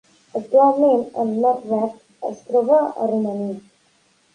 Actualment en Norbert es troba a Romania.